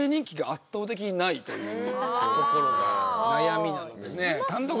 というところが悩みなんでね。